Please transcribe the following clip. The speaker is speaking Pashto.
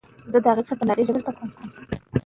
د پښتنو لښکر په ډېر ډاډ سره اصفهان ته ننووت.